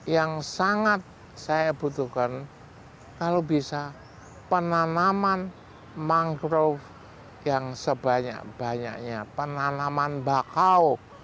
yang sangat saya butuhkan kalau bisa penanaman mangrove yang sebanyak banyaknya penanaman bakau